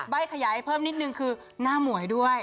ขยายเพิ่มนิดนึงคือหน้าหมวยด้วย